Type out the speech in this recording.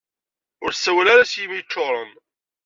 Ur ssawal ara s yimi yeččuṛen!